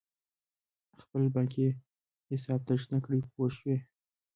خپل بانکي حساب تش نه کړې پوه شوې!.